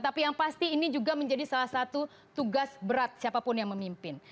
tapi yang pasti ini juga menjadi salah satu tugas berat siapapun yang memimpin